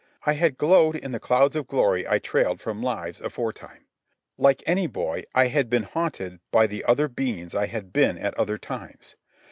I had glowed in the clouds of glory I trailed from lives aforetime. Like any boy, I had been haunted by the other beings I had been at other times.